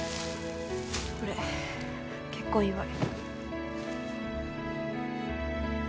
これ結婚祝い。